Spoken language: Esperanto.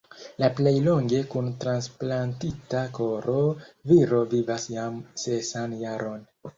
La plej longe kun transplantita koro viro vivas jam sesan jaron.